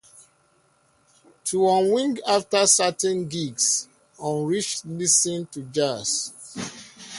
To unwind after certain gigs, Ulrich listens to jazz.